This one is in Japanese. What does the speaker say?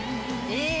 えっ！